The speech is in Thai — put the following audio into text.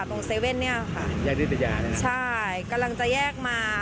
ตรงเซเว่นเนี้ยค่ะแยกด้วยตะยาใช่ไหมใช่กำลังจะแยกมา